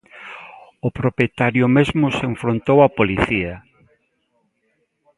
O propietario mesmo se enfrontou á policía.